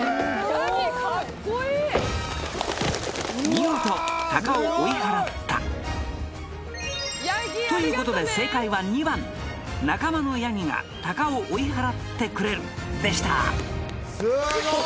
見事タカを追い払ったということで正解は２番仲間のヤギがタカを追い払ってくれるでしたすごーい！